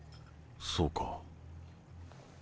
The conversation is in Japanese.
そうか。